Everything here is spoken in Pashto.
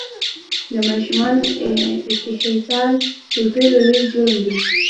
د ماشومانو استحصال تر ټولو لوی جرم دی!